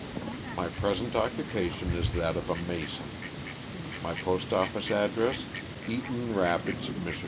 My present occupation is that of a mason. My postoffice address, Eaton Rapids, Mich.